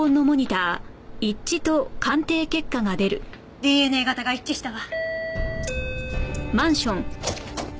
ＤＮＡ型が一致したわ。